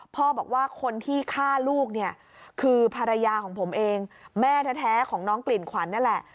พ่อบอกว่าคนที่ฆ่าลูกเนี่ยคือภรรยาของผมเองแม่แท้ของน้องกลิ่นขวัญนี่แหละ